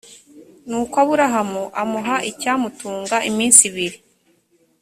ni uko aburamu amuha icyamutunga iminsi ibiri